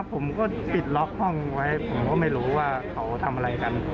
ผมก็ปิดล็อกห้องไว้ผมก็ไม่รู้ว่าเขาทำอะไรกัน